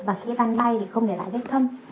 và khi ban bay không để lại vết thâm